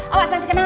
awas masih kena